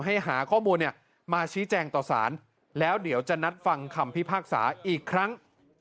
ให้หาข้อมูลมาชี้แจงต่อสารแล้วเดี๋ยวจะนัดฟังคำพิพากษาอีกครั้ง